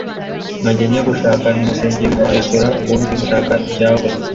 nkajya njya gushaka imisige mu ma Restaurants, ubundi ngashaka ibyaboze,